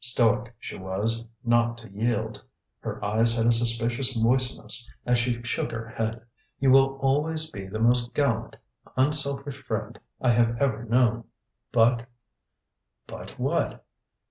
Stoic she was, not to yield! Her eyes had a suspicious moistness, as she shook her head. "You will always be the most gallant, unselfish friend I have ever known. But " "But what?"